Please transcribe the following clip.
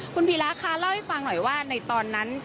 คุณพีระคะเล่าให้ฟังหน่อยว่าในตอนนั้น